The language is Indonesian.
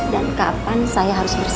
dan kapan saya harus diam